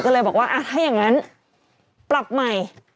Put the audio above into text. ก็เลยบอกว่าถ้าอย่างนั้นปรับใหม่